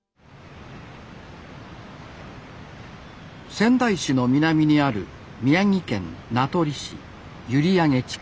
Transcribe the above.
仙台市の南にある宮城県名取市閖上地区